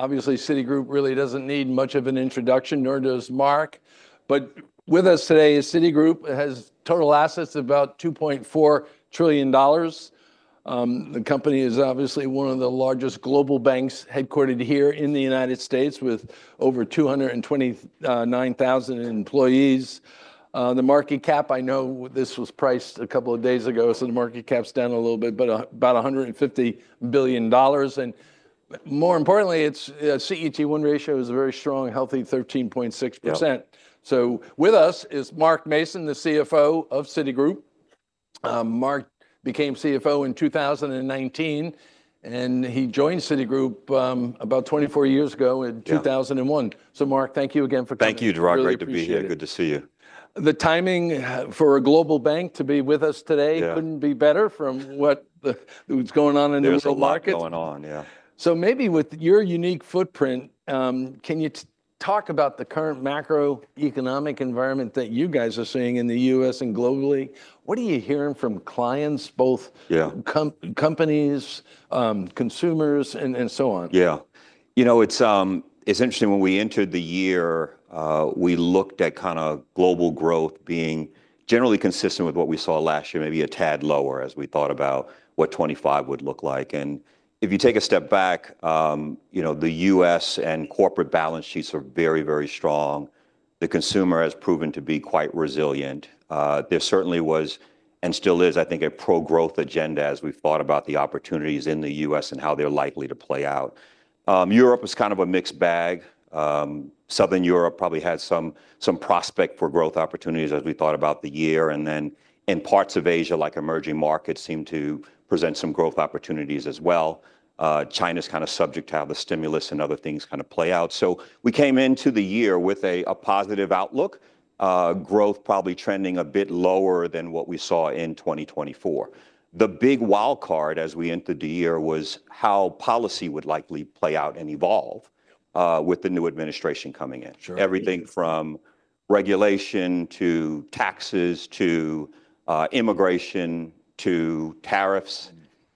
Obviously, Citigroup really doesn't need much of an introduction, nor does Mark, but with us today is Citigroup, which has total assets of about $2.4 trillion. The company is obviously one of the largest global banks headquartered here in the United States, with over 229,000 employees. The market cap, I know this was priced a couple of days ago, so the market cap's down a little bit, but about $150 billion, and more importantly, its CET1 ratio is a very strong, healthy 13.6%, so with us is Mark Mason, the CFO of Citigroup. Mark became CFO in 2019, and he joined Citigroup about 24 years ago in 2001, so Mark, thank you again for coming. Thank you, Moderator. Great to be here. Good to see you. The timing for a global bank to be with us today couldn't be better from what's going on in the U.S. market. Yeah, so maybe with your unique footprint, can you talk about the current macroeconomic environment that you guys are seeing in the U.S. and globally? What are you hearing from clients, both companies, consumers, and so on? Yeah. You know, it's interesting. When we entered the year, we looked at kind of global growth being generally consistent with what we saw last year, maybe a tad lower as we thought about what 2025 would look like, and if you take a step back, you know, the U.S. and corporate balance sheets are very, very strong. The consumer has proven to be quite resilient. There certainly was and still is, I think, a pro-growth agenda as we've thought about the opportunities in the U.S. and how they're likely to play out. Europe is kind of a mixed bag. Southern Europe probably had some prospect for growth opportunities as we thought about the year. And then in parts of Asia, like emerging markets, seem to present some growth opportunities as well. China's kind of subject to have the stimulus and other things kind of play out. So we came into the year with a positive outlook, growth probably trending a bit lower than what we saw in 2024. The big wildcard as we entered the year was how policy would likely play out and evolve with the new administration coming in. Everything from regulation to taxes to immigration to tariffs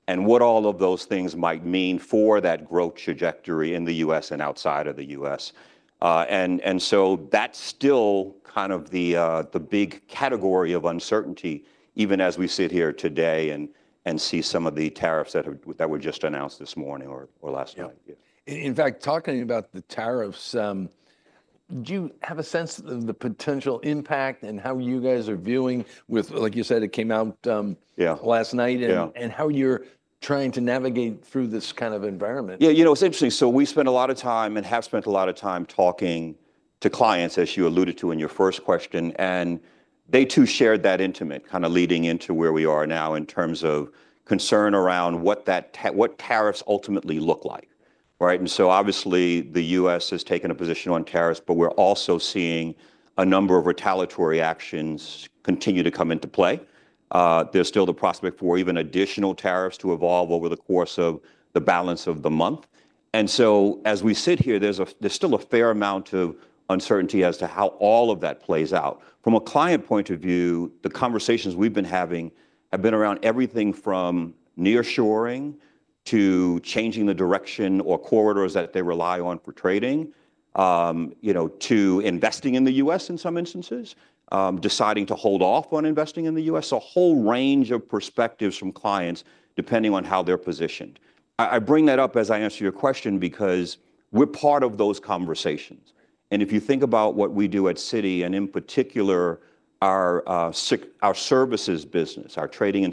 and what all of those things might mean for that growth trajectory in the U.S. and outside of the U.S. So that's still kind of the big category of uncertainty, even as we sit here today and see some of the tariffs that were just announced this morning or last night. In fact, talking about the tariffs, do you have a sense of the potential impact and how you guys are viewing with, like you said, it came out last night and how you're trying to navigate through this kind of environment? Yeah, you know, it's interesting. So we spent a lot of time and have spent a lot of time talking to clients, as you alluded to in your first question. And they too shared that intimate kind of leading into where we are now in terms of concern around what tariffs ultimately look like. Right. And so obviously the U.S. has taken a position on tariffs, but we're also seeing a number of retaliatory actions continue to come into play. There's still the prospect for even additional tariffs to evolve over the course of the balance of the month. And so as we sit here, there's still a fair amount of uncertainty as to how all of that plays out. From a client point of view, the conversations we've been having have been around everything from nearshoring to changing the direction or corridors that they rely on for trading, you know, to investing in the U.S. in some instances, deciding to hold off on investing in the U.S., so a whole range of perspectives from clients depending on how they're positioned. I bring that up as I answer your question because we're part of those conversations, and if you think about what we do at Citi, and in particular our Services business, our Treasury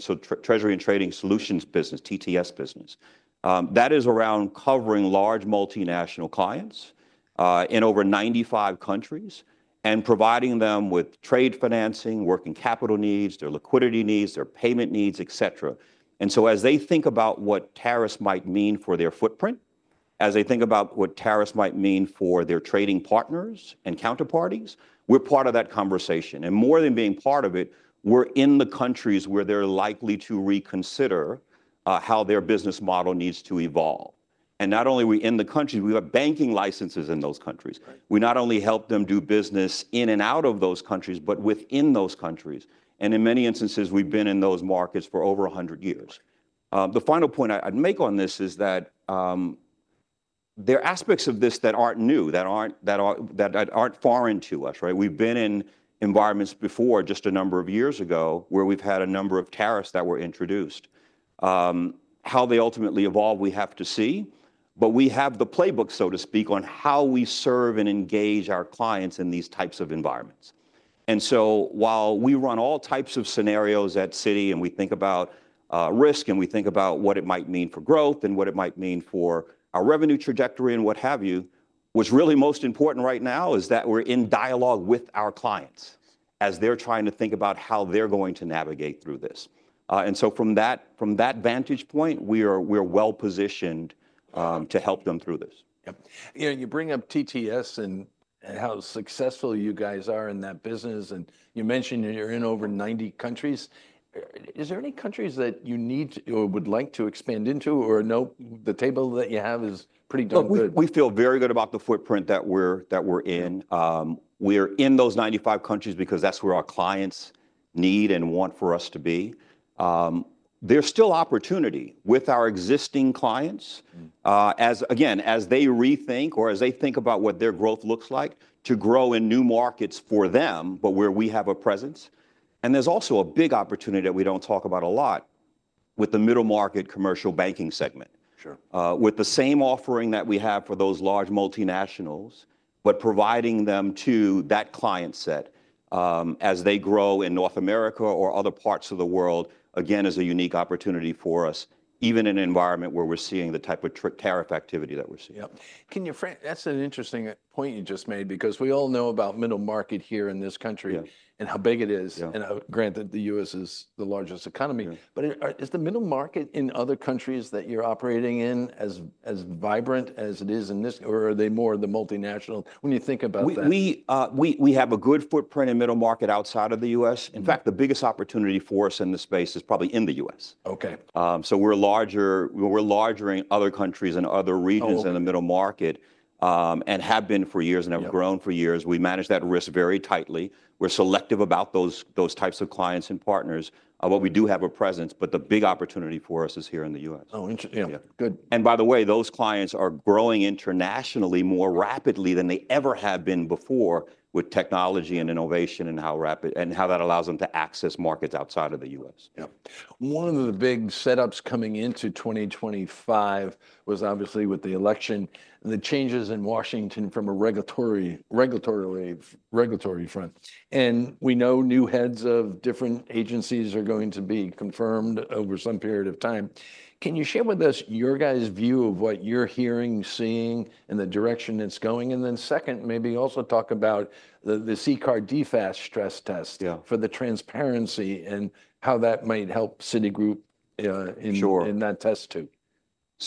and Trade Solutions business, TTS business, that is around covering large multinational clients in over 95 countries and providing them with trade financing, working capital needs, their liquidity needs, their payment needs, et cetera. And so as they think about what tariffs might mean for their footprint, as they think about what tariffs might mean for their trading partners and counterparties, we're part of that conversation. And more than being part of it, we're in the countries where they're likely to reconsider how their business model needs to evolve. And not only are we in the countries, we have banking licenses in those countries. We not only help them do business in and out of those countries, but within those countries. And in many instances, we've been in those markets for over a hundred years. The final point I'd make on this is that there are aspects of this that aren't new, that aren't foreign to us. Right. We've been in environments before just a number of years ago where we've had a number of tariffs that were introduced. How they ultimately evolve, we have to see. But we have the playbook, so to speak, on how we serve and engage our clients in these types of environments. And so while we run all types of scenarios at Citi, and we think about risk, and we think about what it might mean for growth and what it might mean for our revenue trajectory and what have you, what's really most important right now is that we're in dialogue with our clients as they're trying to think about how they're going to navigate through this. And so from that vantage point, we are well positioned to help them through this. Yeah. You bring up TTS and how successful you guys are in that business. And you mentioned you're in over 90 countries. Is there any countries that you need or would like to expand into? Or no, the table that you have is pretty done. We feel very good about the footprint that we're in. We're in those 95 countries because that's where our clients need and want for us to be. There's still opportunity with our existing clients, again, as they rethink or as they think about what their growth looks like to grow in new markets for them, but where we have a presence, and there's also a big opportunity that we don't talk about a lot with the middle market commercial banking segment, with the same offering that we have for those large multinationals, but providing them to that client set as they grow in North America or other parts of the world, again, is a unique opportunity for us, even in an environment where we're seeing the type of tariff activity that we're seeing. Yeah. Can you frame that? That's an interesting point you just made because we all know about the middle market here in this country and how big it is. And granted, the U.S. is the largest economy. But is the middle market in other countries that you're operating in as vibrant as it is in this? Or are they more the multinationals when you think about that? We have a good footprint in the middle market outside of the U.S. In fact, the biggest opportunity for us in the space is probably in the U.S. So we're larger than other countries and other regions in the middle market and have been for years and have grown for years. We manage that risk very tightly. We're selective about those types of clients and partners. But we do have a presence. But the big opportunity for us is here in the U.S. Oh, interesting. Yeah. Good. By the way, those clients are growing internationally more rapidly than they ever have been before with technology and innovation and how rapid and how that allows them to access markets outside of the U.S. Yeah. One of the big setups coming into 2025 was obviously with the election and the changes in Washington from a regulatory front. And we know new heads of different agencies are going to be confirmed over some period of time. Can you share with us your guys' view of what you're hearing, seeing, and the direction it's going? And then second, maybe also talk about the CCAR DFAST stress test for the transparency and how that might help Citigroup in that test too.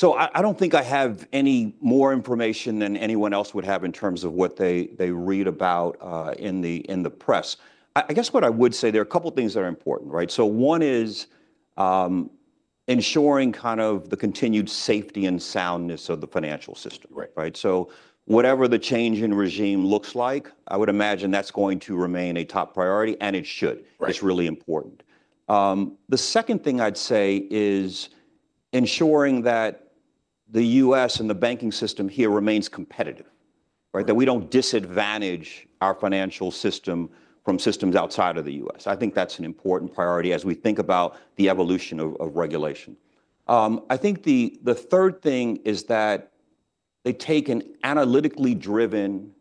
I don't think I have any more information than anyone else would have in terms of what they read about in the press. I guess what I would say, there are a couple of things that are important. Right. One is ensuring kind of the continued safety and soundness of the financial system. Right. So whatever the change in regime looks like, I would imagine that's going to remain a top priority. And it should. It's really important. The second thing I'd say is ensuring that the U.S. and the banking system here remains competitive, right, that we don't disadvantage our financial system from systems outside of the U.S. I think that's an important priority as we think about the evolution of regulation. I think the third thing is that they take an analytically driven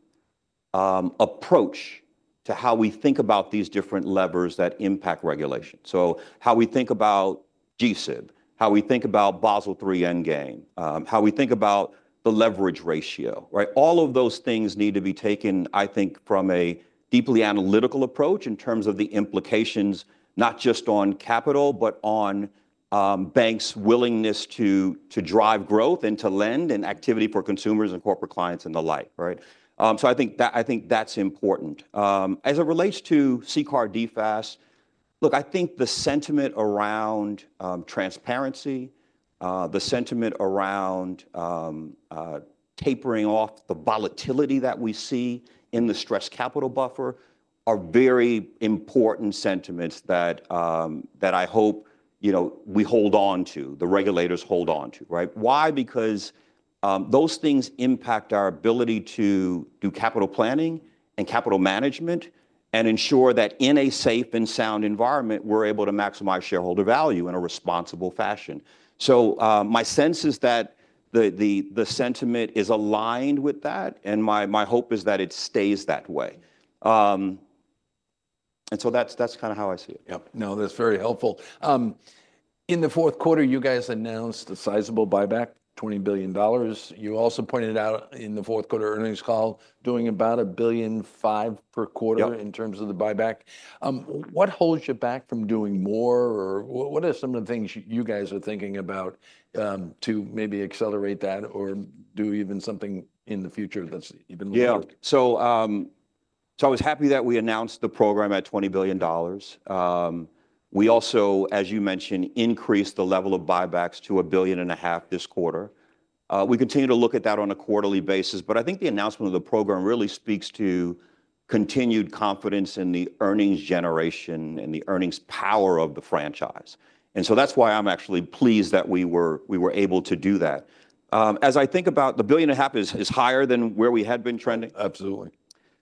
approach to how we think about these different levers that impact regulation. So how we think about GSIB, how we think about Basel III Endgame, how we think about the leverage ratio. Right. All of those things need to be taken, I think, from a deeply analytical approach in terms of the implications, not just on capital, but on banks' willingness to drive growth and to lend and activity for consumers and corporate clients and the like. Right. So I think that's important. As it relates to CCAR DFAST, look, I think the sentiment around transparency, the sentiment around tapering off the volatility that we see in the Stress Capital Buffer are very important sentiments that I hope we hold on to, the regulators hold on to. Right. Why? Because those things impact our ability to do capital planning and capital management and ensure that in a safe and sound environment, we're able to maximize shareholder value in a responsible fashion. So my sense is that the sentiment is aligned with that. And my hope is that it stays that way. And so that's kind of how I see it. Yeah. No, that's very helpful. In the fourth quarter, you guys announced a sizable buyback, $20 billion. You also pointed out in the fourth quarter earnings call doing about $1.5 billion per quarter in terms of the buyback. What holds you back from doing more? Or what are some of the things you guys are thinking about to maybe accelerate that or do even something in the future that's even more? Yeah. So I was happy that we announced the program at $20 billion. We also, as you mentioned, increased the level of buybacks to $1.5 billion this quarter. We continue to look at that on a quarterly basis. But I think the announcement of the program really speaks to continued confidence in the earnings generation and the earnings power of the franchise. And so that's why I'm actually pleased that we were able to do that. As I think about, the $1.5 billion is higher than where we had been trending. Absolutely.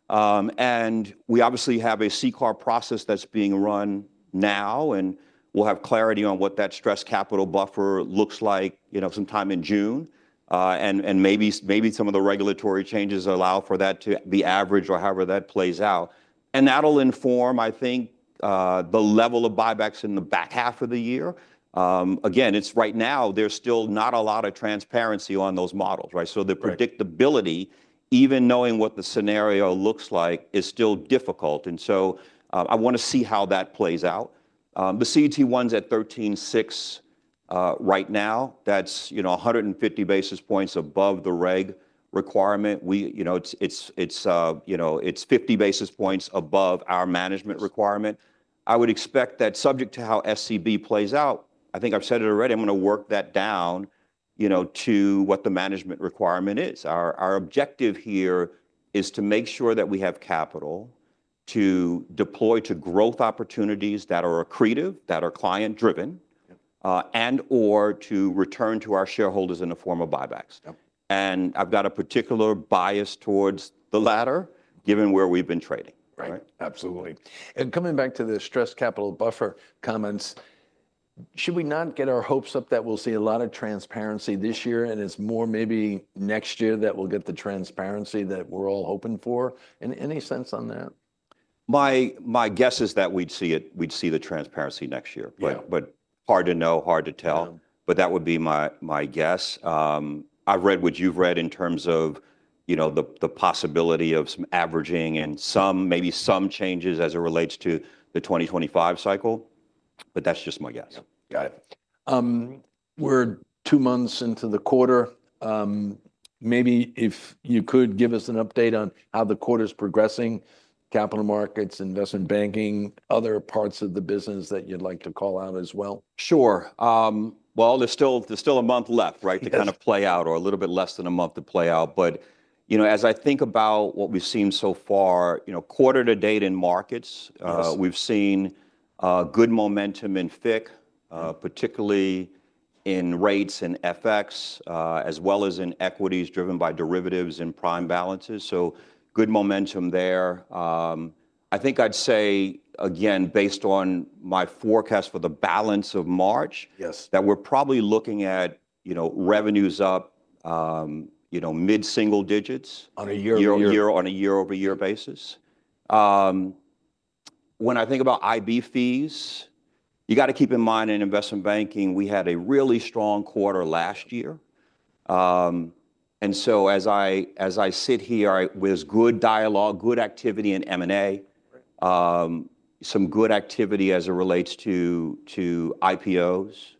And we obviously have a CCAR process that's being run now. And we'll have clarity on what that Stress Capital Buffer looks like sometime in June. And maybe some of the regulatory changes allow for that to be averaged or however that plays out. And that'll inform, I think, the level of buybacks in the back half of the year. Again, it's right now, there's still not a lot of transparency on those models. Right. So the predictability, even knowing what the scenario looks like, is still difficult. And so I want to see how that plays out. The CET1 is at 13.6 right now. That's 150 basis points above the reg requirement. It's 50 basis points above our management requirement. I would expect that subject to how SCB plays out, I think I've said it already, I'm going to work that down to what the management requirement is. Our objective here is to make sure that we have capital to deploy to growth opportunities that are accretive, that are client-driven, and/or to return to our shareholders in the form of buybacks. And I've got a particular bias towards the latter given where we've been trading. Right. Absolutely. And coming back to the Stress Capital Buffer comments, should we not get our hopes up that we'll see a lot of transparency this year and it's more maybe next year that we'll get the transparency that we're all hoping for? Any sense on that? My guess is that we'd see it, we'd see the transparency next year. But hard to know, hard to tell. But that would be my guess. I've read what you've read in terms of the possibility of some averaging and maybe some changes as it relates to the 2025 cycle. But that's just my guess. Got it. We're two months into the quarter. Maybe if you could give us an update on how the quarter's progressing, Capital Markets, investment banking, other parts of the business that you'd like to call out as well? Sure. Well, there's still a month left, right, to kind of play out or a little bit less than a month to play out. But as I think about what we've seen so far, quarter to date in markets, we've seen good momentum in FICC, particularly in rates and FX, as well as in equities driven by derivatives and prime balances. So good momentum there. I think I'd say, again, based on my forecast for the balance of March, that we're probably looking at revenues up mid-single digits. On a year-over-year basis. On a year-over-year basis. When I think about IB fees, you got to keep in mind in investment banking, we had a really strong quarter last year. And so as I sit here, there's good dialogue, good activity in M&A, some good activity as it relates to IPOs.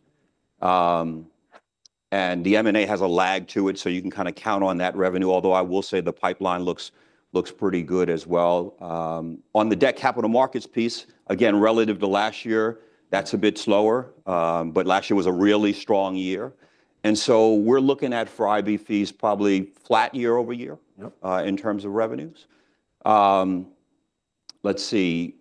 And the M&A has a lag to it. So you can kind of count on that revenue. Although I will say the pipeline looks pretty good as well. On the Debt Capital Markets piece, again, relative to last year, that's a bit slower. But last year was a really strong year. And so we're looking at for IB fees, probably flat year-over-year in terms of revenues. Let's see.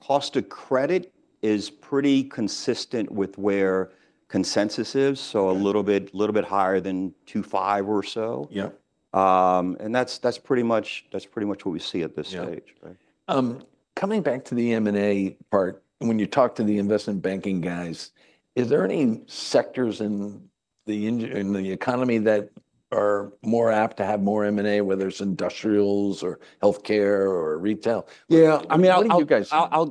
Cost of credit is pretty consistent with where consensus is. So a little bit higher than 2.5 or so. And that's pretty much what we see at this stage. Coming back to the M&A part, when you talk to the investment banking guys, is there any sectors in the economy that are more apt to have more M&A, whether it's industrials or healthcare or retail? Yeah. I mean. What do you guys? I'll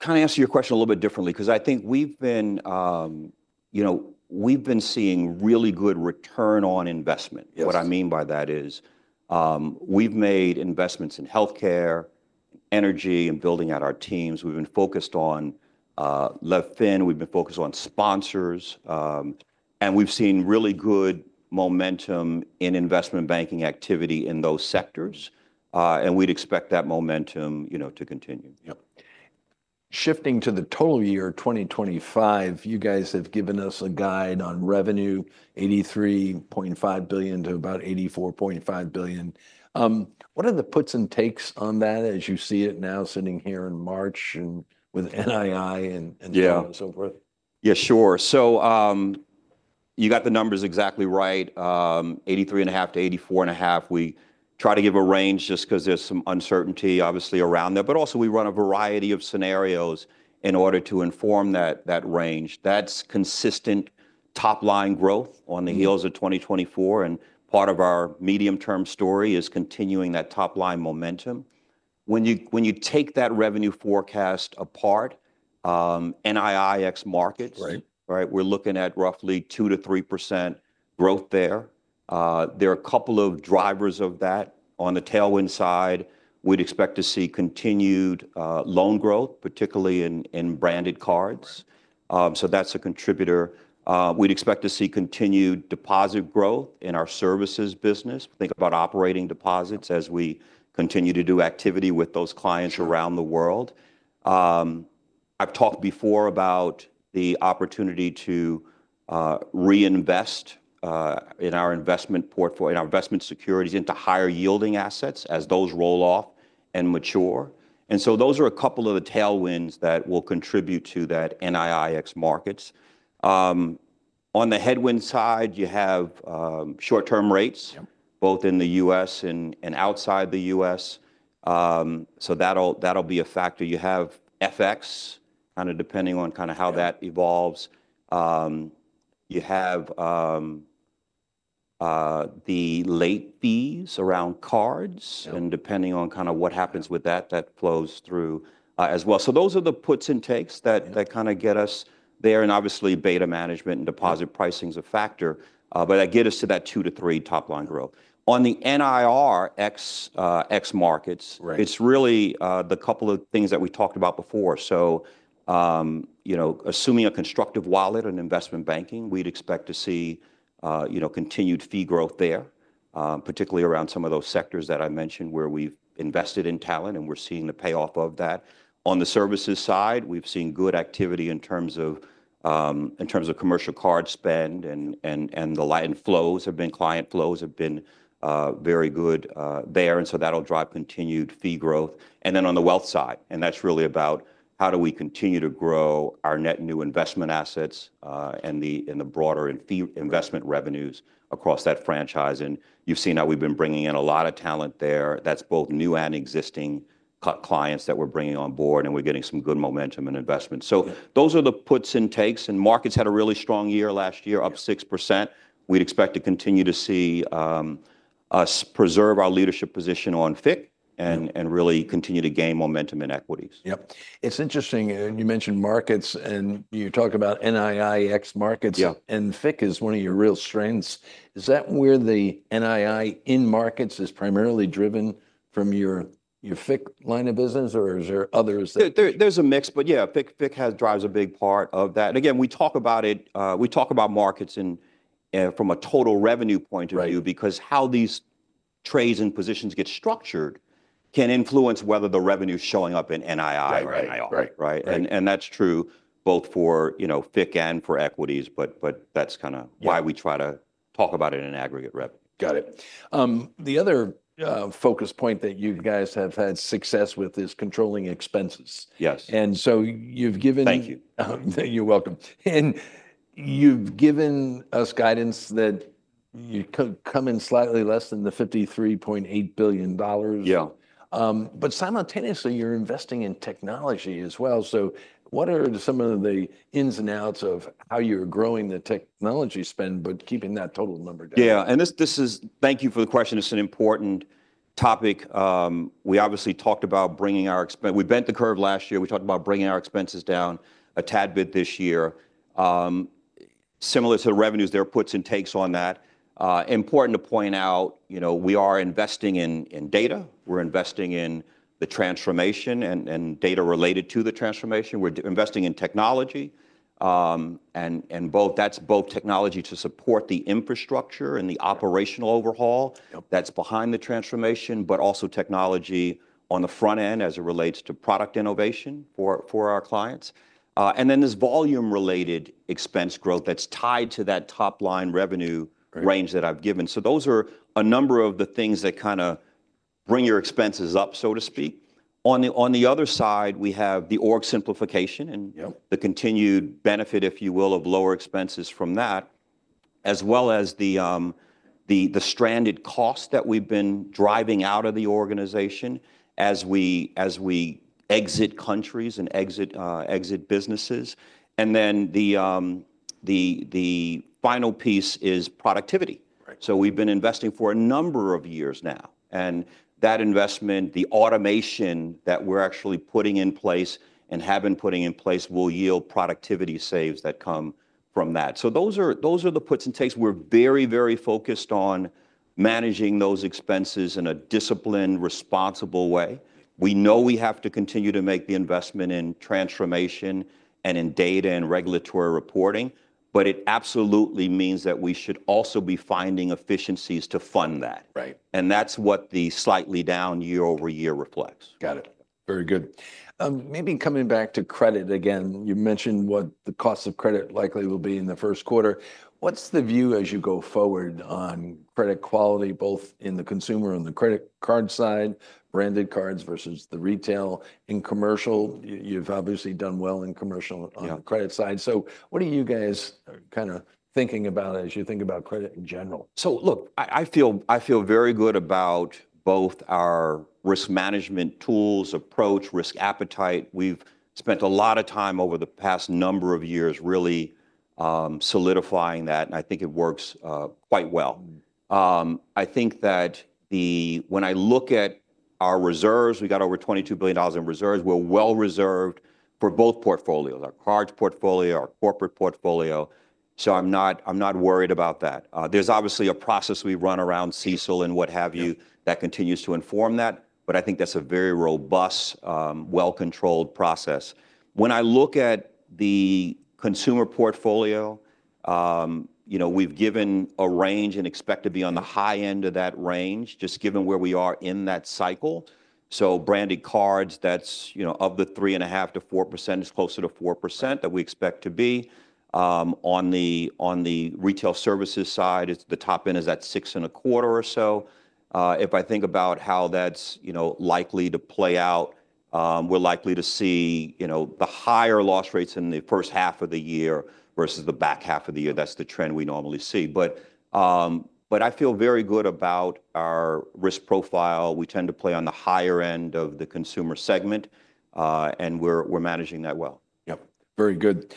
kind of answer your question a little bit differently because I think we've been seeing really good return on investment. What I mean by that is we've made investments in healthcare, energy, and building out our teams. We've been focused on LevFin. We've been focused on sponsors, and we'd expect that momentum to continue. Yep. Shifting to the total year 2025, you guys have given us a guide on revenue, $83.5 billion to about $84.5 billion. What are the puts and takes on that as you see it now sitting here in March and with NII and so forth? Yeah. Yeah, sure. So you got the numbers exactly right, 83.5-84.5. We try to give a range just because there's some uncertainty obviously around that. But also we run a variety of scenarios in order to inform that range. That's consistent top-line growth on the heels of 2024. And part of our medium-term story is continuing that top-line momentum. When you take that revenue forecast apart, NII ex-Markets, we're looking at roughly 2%-3% growth there. There are a couple of drivers of that. On the tailwind side, we'd expect to see continued loan growth, particularly in Branded Cards. So that's a contributor. We'd expect to see continued deposit growth in our services business. Think about operating deposits as we continue to do activity with those clients around the world. I've talked before about the opportunity to reinvest in our investment portfolio, our investment securities into higher-yielding assets as those roll off and mature. And so those are a couple of the tailwinds that will contribute to that NII ex-Markets. On the headwind side, you have short-term rates both in the U.S. and outside the U.S. So that'll be a factor. You have FX kind of depending on kind of how that evolves. You have the late fees around cards. And depending on kind of what happens with that, that flows through as well. So those are the puts and takes that kind of get us there. And obviously, beta management and deposit pricing is a factor. But that gets us to that 2%-3% top-line growth. On the NIR ex-Markets, it's really the couple of things that we talked about before. So assuming a constructive wallet in investment banking, we'd expect to see continued fee growth there, particularly around some of those sectors that I mentioned where we've invested in talent and we're seeing the payoff of that. On the services side, we've seen good activity in terms of commercial card spend. And the client flows have been very good there. And so that'll drive continued fee growth. And then on the wealth side, and that's really about how do we continue to grow our net new investment assets and the broader investment revenues across that franchise. And you've seen how we've been bringing in a lot of talent there. That's both new and existing clients that we're bringing on board. And we're getting some good momentum in investment. So those are the puts and takes. And markets had a really strong year last year, up 6%.We'd expect to continue to see us preserve our leadership position on FICC and really continue to gain momentum in equities. Yep. It's interesting. And you mentioned markets. And you talk about NII ex-Markets. And FICC is one of your real strengths. Is that where the NII in markets is primarily driven from your FICC line of business? Or is there others? There's a mix. But yeah, FICC drives a big part of that. And again, we talk about it. We talk about markets from a total revenue point of view because how these trades and positions get structured can influence whether the revenue is showing up in NII or NIR. And that's true both for FICC and for equities. But that's kind of why we try to talk about it in aggregate revenue. Got it. The other focus point that you guys have had success with is controlling expenses. Yes. And so you've given. Thank you. You're welcome. And you've given us guidance that you're coming slightly less than the $53.8 billion. Yeah. But simultaneously, you're investing in technology as well. So what are some of the ins and outs of how you're growing the technology spend but keeping that total number down? Yeah. And thank you for the question. It's an important topic. We obviously talked about bringing our expenses. We bent the curve last year. We talked about bringing our expenses down a tad bit this year. Similar to the revenues, there are puts and takes on that. Important to point out, we are investing in data. We're investing in the transformation and data related to the transformation. We're investing in technology. And that's both technology to support the infrastructure and the operational overhaul that's behind the transformation, but also technology on the front end as it relates to product innovation for our clients. And then there's volume-related expense growth that's tied to that top-line revenue range that I've given. So those are a number of the things that kind of bring your expenses up, so to speak. On the other side, we have the org simplification and the continued benefit, if you will, of lower expenses from that, as well as the stranded costs that we've been driving out of the organization as we exit countries and exit businesses. And then the final piece is productivity. So we've been investing for a number of years now. And that investment, the automation that we're actually putting in place and have been putting in place will yield productivity saves that come from that. So those are the puts and takes. We're very, very focused on managing those expenses in a disciplined, responsible way. We know we have to continue to make the investment in transformation and in data and regulatory reporting. But it absolutely means that we should also be finding efficiencies to fund that. And that's what the slightly down year-over-year reflects. Got it. Very good. Maybe coming back to credit again, you mentioned what the cost of credit likely will be in the first quarter. What's the view as you go forward on credit quality both in the consumer and the credit card side, Branded Cards versus the retail and commercial? You've obviously done well in commercial on the credit side. So what are you guys kind of thinking about as you think about credit in general? Look, I feel very good about both our risk management tools approach, risk appetite. We've spent a lot of time over the past number of years really solidifying that. I think it works quite well. I think that when I look at our reserves, we got over $22 billion in reserves. We're well reserved for both portfolios, our cards portfolio, our corporate portfolio. I'm not worried about that. There's obviously a process we run around CECL and what have you that continues to inform that. But I think that's a very robust, well-controlled process. When I look at the consumer portfolio, we've given a range and expect to be on the high end of that range just given where we are in that cycle. Branded Cards, that's of the 3.5%-4% is closer to 4% that we expect to be. On the Retail Services side, the top end is at 6.25% or so. If I think about how that's likely to play out, we're likely to see the higher loss rates in the first half of the year versus the back half of the year. That's the trend we normally see. But I feel very good about our risk profile. We tend to play on the higher end of the consumer segment, and we're managing that well. Yep. Very good.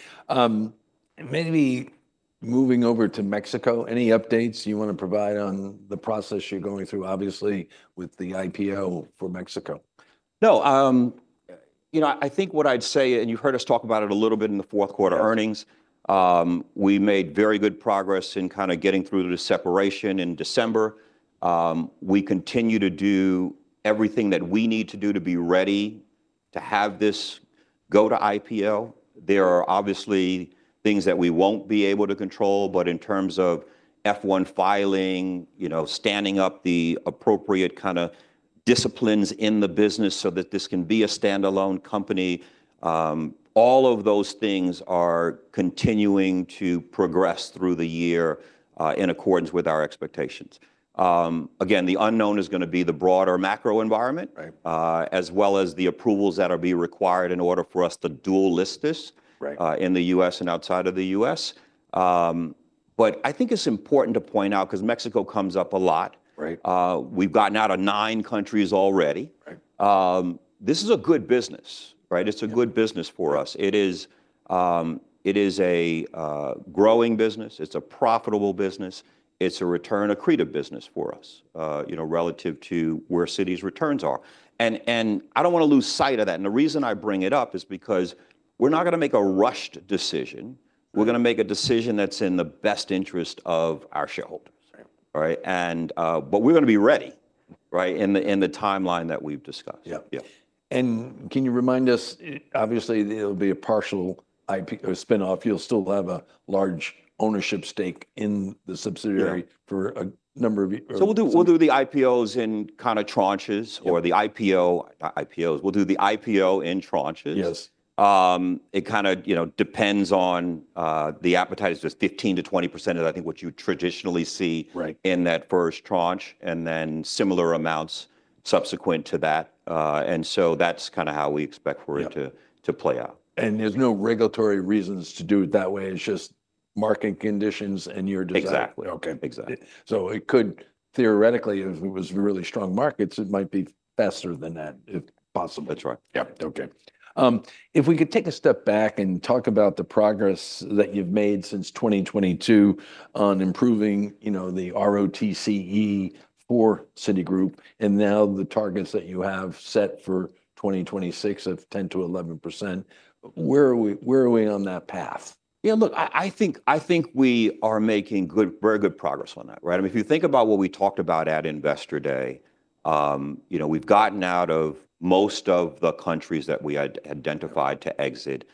Maybe moving over to Mexico, any updates you want to provide on the process you're going through, obviously, with the IPO for Mexico? No. You know, I think what I'd say, and you heard us talk about it a little bit in the fourth quarter earnings, we made very good progress in kind of getting through the separation in December. We continue to do everything that we need to do to be ready to have this go to IPO. There are obviously things that we won't be able to control, but in terms of F-1 filing, standing up the appropriate kind of disciplines in the business so that this can be a standalone company, all of those things are continuing to progress through the year in accordance with our expectations, again, the unknown is going to be the broader macro environment as well as the approvals that will be required in order for us to dual-list in the U.S. and outside of the U.S. But I think it's important to point out because Mexico comes up a lot. We've gotten out of nine countries already. This is a good business. It's a good business for us. It is a growing business. It's a profitable business. It's a return-accretive business for us relative to where Citigroup's returns are. And I don't want to lose sight of that. And the reason I bring it up is because we're not going to make a rushed decision. We're going to make a decision that's in the best interest of our shareholders. And but we're going to be ready in the timeline that we've discussed. Yeah, and can you remind us, obviously, there'll be a partial IPO spinoff. You'll still have a large ownership stake in the subsidiary for a number of years. We'll do the IPO in tranches. It kind of depends on the appetite. It's just 15%-20%, I think, what you traditionally see in that first tranche and then similar amounts subsequent to that. That's kind of how we expect for it to play out. There's no regulatory reasons to do it that way. It's just market conditions and your desire. Exactly. Okay. Exactly. So it could theoretically, if it was really strong markets, it might be faster than that if possible. That's right. Yep. Okay. If we could take a step back and talk about the progress that you've made since 2022 on improving the ROTCE for Citigroup and now the targets that you have set for 2026 of 10%-11%, where are we on that path? Yeah. Look, I think we are making very good progress on that. If you think about what we talked about at Investor Day, we've gotten out of most of the countries that we identified to exit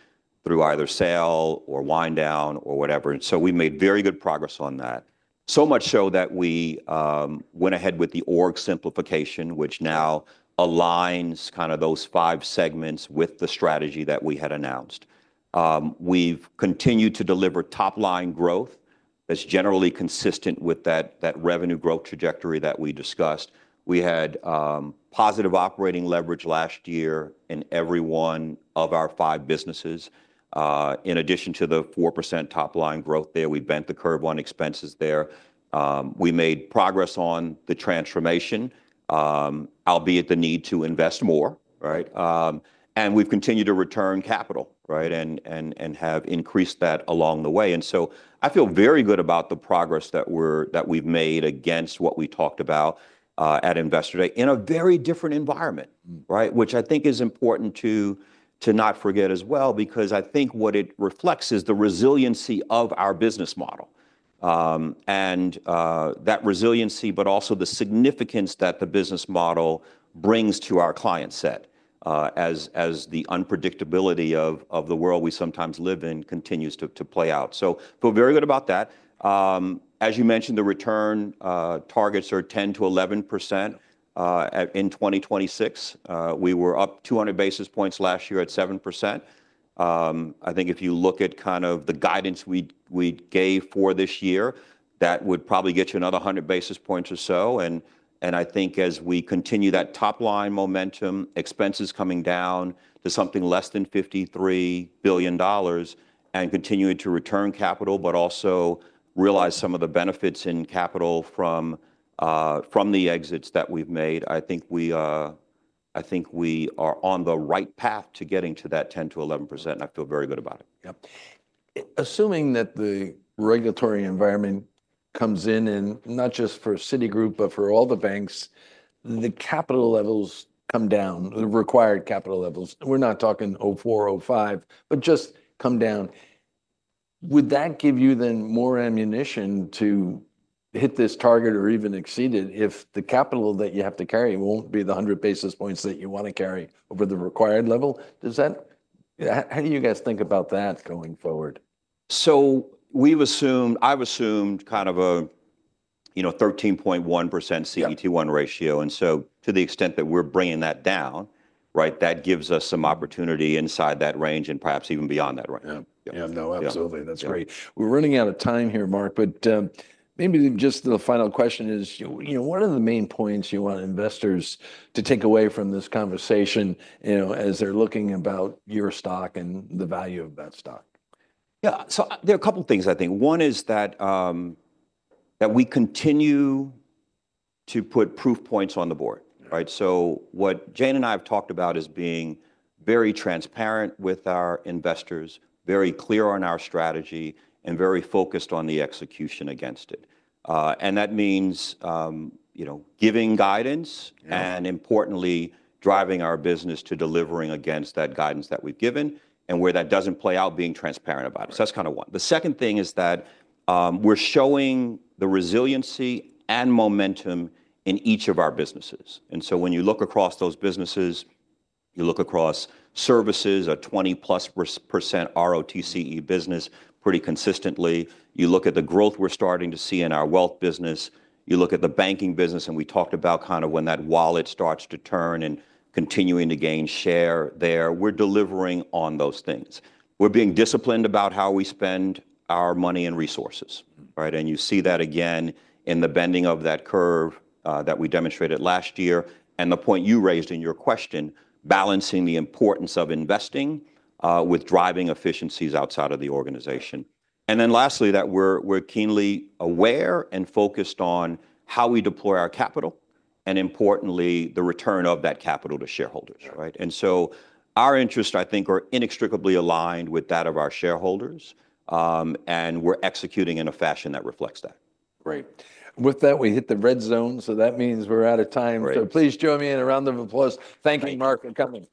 through either sale or wind down or whatever. And so we made very good progress on that. So much so that we went ahead with the org simplification, which now aligns kind of those five segments with the strategy that we had announced. We've continued to deliver top-line growth that's generally consistent with that revenue growth trajectory that we discussed. We had positive operating leverage last year in every one of our five businesses. In addition to the 4% top-line growth there, we bent the curve on expenses there. We made progress on the transformation, albeit the need to invest more. And we've continued to return capital and have increased that along the way. And so I feel very good about the progress that we've made against what we talked about at Investor Day in a very different environment, which I think is important to not forget as well because I think what it reflects is the resiliency of our business model. And that resiliency, but also the significance that the business model brings to our client set as the unpredictability of the world we sometimes live in continues to play out. So feel very good about that. As you mentioned, the return targets are 10%-11% in 2026. We were up 200 basis points last year at 7%. I think if you look at kind of the guidance we gave for this year, that would probably get you another 100 basis points or so. I think as we continue that top-line momentum, expenses coming down to something less than $53 billion and continuing to return capital, but also realize some of the benefits in capital from the exits that we've made, I think we are on the right path to getting to that 10%-11%. I feel very good about it. Yep. Assuming that the regulatory environment comes in, and not just for Citigroup, but for all the banks, the capital levels come down, the required capital levels. We're not talking 0.4, 0.5, but just come down. Would that give you then more ammunition to hit this target or even exceed it if the capital that you have to carry won't be the 100 basis points that you want to carry over the required level? How do you guys think about that going forward? So I've assumed kind of a 13.1% CET1 ratio, and so to the extent that we're bringing that down, that gives us some opportunity inside that range and perhaps even beyond that range. Yeah. Yeah. No, absolutely. That's great. We're running out of time here, Mark. But maybe just the final question is, what are the main points you want investors to take away from this conversation as they're looking about your stock and the value of that stock? Yeah. So there are a couple of things, I think. One is that we continue to put proof points on the board. So what Jane and I have talked about is being very transparent with our investors, very clear on our strategy, a nd very focused on the execution against it. And that means giving guidance and, importantly, driving our business to delivering against that guidance that we've given and where that doesn't play out, being transparent about it. So that's kind of one. The second thing is that we're showing the resiliency and momentum in each of our businesses. And so when you look across those businesses, you look across services, a 20+% ROTCE business pretty consistently. You look at the growth we're starting to see in our Wealth business. You look at the Banking business. And we talked about kind of when that wallet starts to turn and continuing to gain share there. We're delivering on those things. We're being disciplined about how we spend our money and resources. And you see that again in the bending of that curve that we demonstrated last year and the point you raised in your question, balancing the importance of investing with driving efficiencies outside of the organization. And then lastly, that we're keenly aware and focused on how we deploy our capital and, importantly, the return of that capital to shareholders. And so our interests, I think, are inextricably aligned with that of our shareholders. And we're executing in a fashion that reflects that. Great. With that, we hit the red zone. So that means we're out of time. So please join me in a round of applause. Thank you, Mark, for coming.